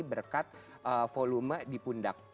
berkat volume di pundak